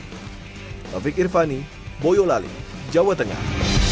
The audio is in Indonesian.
ravik irvani boyo lali jawa tengah